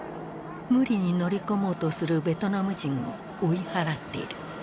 無理に乗り込もうとするベトナム人を追い払っている。